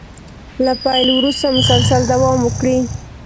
له پيل وروسته مسلسل دوام وکړي.